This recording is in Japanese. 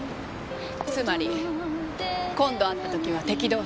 つまり今度会った時は敵同士。